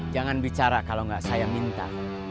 jangan bicara kalau nggak saya minta